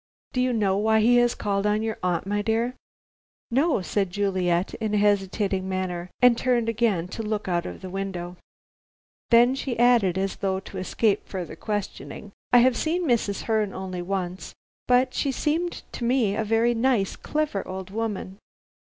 "Do you know why he has called on your aunt, my dear?" "No," said Juliet, in a hesitating manner, and turned again to look out of the window. Then she added, as though to escape further questioning, "I have seen Mrs. Herne only once, but she seemed to me a very nice, clever old woman."